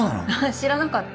知らなかった？